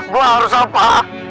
gua harus apa